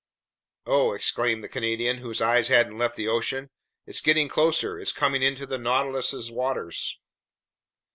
"Oh!" exclaimed the Canadian, whose eyes hadn't left the ocean. "It's getting closer, it's coming into the Nautilus's waters!"